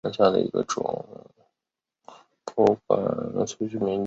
班戈毛茛为毛茛科毛茛属下的一个种。